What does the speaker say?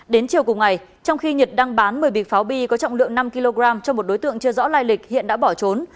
đến chiều cùng ngày trong khi nhật đang bán một mươi bịch pháo bi có trọng lượng năm kg cho một đối tượng chưa rõ lai lịch hiện đã bỏ trốn